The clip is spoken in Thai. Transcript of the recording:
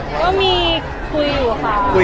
ก็มีคุยอยู่ค่ะ